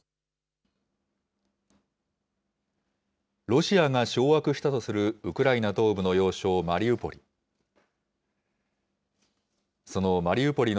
ロシアが掌握したとするウクライナ東部の要衝マリウポリ。